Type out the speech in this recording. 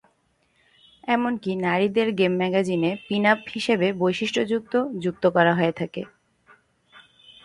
এমনকি নারীদের গেম ম্যাগাজিনে পিন-আপ হিসাবে বৈশিষ্ট্যযুক্ত যুক্ত করা হয়ে থাকে।